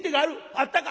「あったか？」。